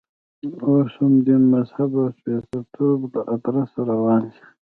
اوس هم دین، مذهب او سپېڅلتوب له ادرسه روان دی.